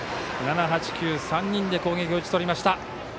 ７、８、９３人で攻撃を打ち取りました。